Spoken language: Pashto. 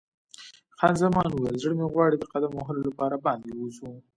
خان زمان وویل: زړه مې غواړي د قدم وهلو لپاره باندې ووځو.